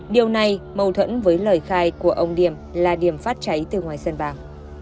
điều này mâu thuẫn với lời khai của ông điểm là điểm phát cháy từ ngoài sân vàng